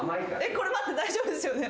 これは大丈夫ですよね？